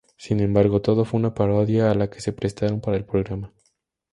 Sin embargo todo fue una parodia a la que se prestaron para el programa.